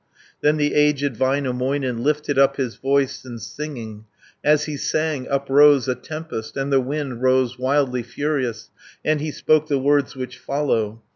Then the aged Väinämöinen, Lifted up his voice in singing. 160 As he sang uprose a tempest, And the wind rose wildly furious, And he spoke the words which follow.